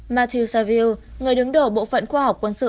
matthew saville người đứng đầu bộ phận khoa học quân sự